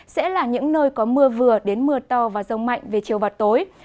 sẽ là những nơi có mưa vừa đến mưa to và rông mạnh về chiều và tối